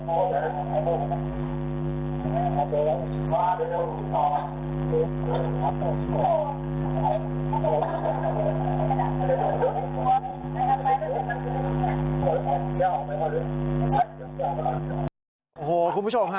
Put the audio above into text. โอ้โหคุณผู้ชมฮะ